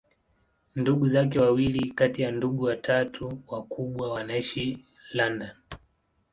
Ndugu zake wawili kati ya ndugu watatu wakubwa wanaishi London.